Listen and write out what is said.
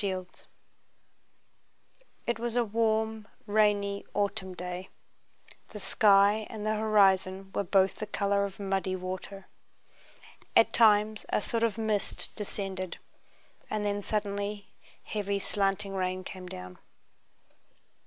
CHAPTER IV It was a warm rainy autumn day. The sky and the horizon were both the color of muddy water. At times a sort of mist descended, and then suddenly heavy slanting rain came down.